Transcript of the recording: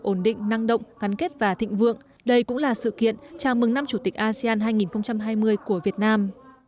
ổn định năng động ngắn kết và thịnh vượng đây cũng là sự kiện chào mừng năm chủ tịch asean hai nghìn hai mươi của việt nam